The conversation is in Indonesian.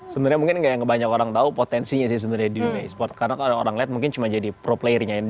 sebenarnya mungkin gak yang banyak orang tau potensinya sih sebenarnya di e sport karena kan orang liat mungkin cuma jadi pro player nya